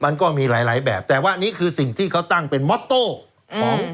มันก็มีหลายหลายแบบแต่ว่านี่คือสิ่งที่เขาตั้งเป็นมอโต้ของ